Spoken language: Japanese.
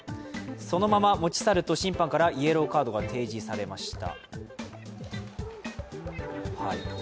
そのまま持ち去ると、審判からイエローカードが提示されました。